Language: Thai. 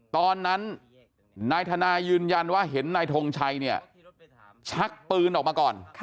ตอนนั้นนายธนายืนยันว่าเห็นนายทงชัยเนี่ยชักปืนออกมาก่อน